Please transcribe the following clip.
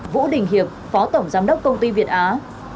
vũ đình hiệp phó tổng giám đốc công ty việt á